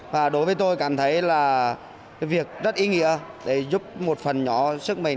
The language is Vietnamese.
và đối với tôi cảm thấy là cái việc rất ý nghĩa để giúp một phần nhỏ sức mình